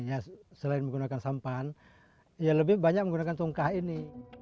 ya selain menggunakan sampan ya lebih banyak menggunakan tungkah ini